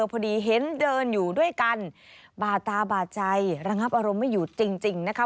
พอดีเห็นเดินอยู่ด้วยกันบาดตาบาดใจระงับอารมณ์ไม่อยู่จริงนะคะ